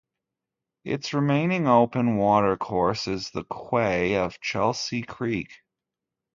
Its remaining open watercourse is the quay of Chelsea Creek.